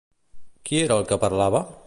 Qui era el que parlava?